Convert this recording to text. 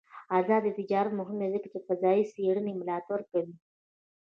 آزاد تجارت مهم دی ځکه چې فضايي څېړنې ملاتړ کوي.